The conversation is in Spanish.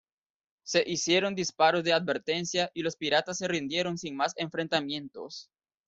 Se hicieron disparos de advertencia y los piratas se rindieron sin más enfrentamientos.